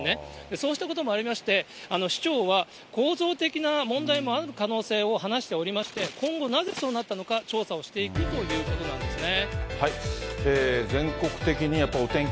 そうしたこともありまして、市長は、構造的な問題もある可能性を話しておりまして、今後、なぜそうなったのか、調査をしていくということなんですね。